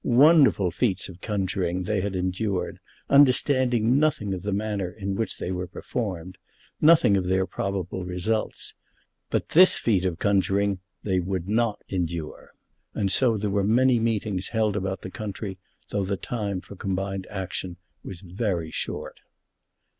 Wonderful feats of conjuring they had endured, understanding nothing of the manner in which they were performed, nothing of their probable results; but this feat of conjuring they would not endure. And so there were many meetings held about the country, though the time for combined action was very short.